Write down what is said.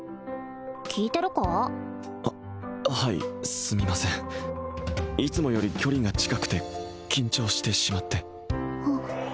聞いてるか？ははいすみませんいつもより距離が近くて緊張してしまってはっ